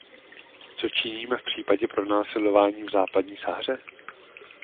Co činíme v případě pronásledování v Západní Sahaře?